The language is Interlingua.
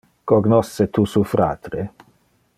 Cognosce tu su fratre?